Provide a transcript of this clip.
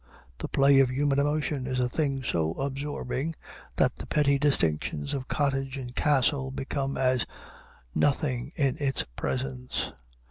The play of human emotion is a thing so absorbing, that the petty distinctions of cottage and castle become as nothing in its presence.